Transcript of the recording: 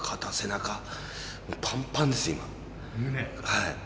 はい。